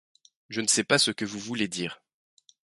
Je ne sais pas ce que vous voulez dire.